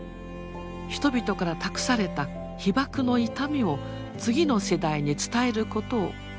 人々から託された被ばくの痛みを次の世代に伝えることを目指しました。